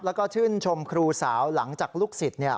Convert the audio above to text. แล้วก็ชื่นชมครูสาวหลังจากลูกศิษย์เนี่ย